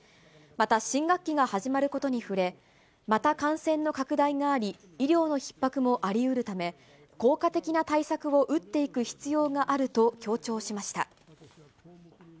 また、新学期が始まることに触れ、また感染の拡大があり、医療のひっ迫もありうるため、効果的な対策を打っていく必要があると強調しました。